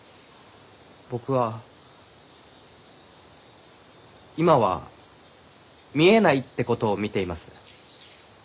僕は今は見えないってことを見ています。